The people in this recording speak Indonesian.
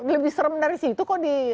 lebih serem dari situ kok